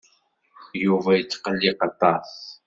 Yuba yetqelliq aṭas.